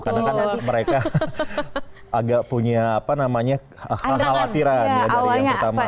karena kan mereka agak punya apa namanya khawatiran ya dari yang pertama